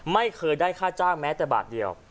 ไม่เคยได้ค่าจ้างแม้แต่บาทเดียว